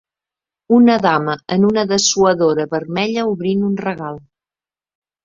Una dama en una dessuadora vermella obrint un regal.